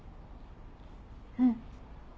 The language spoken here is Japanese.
うん。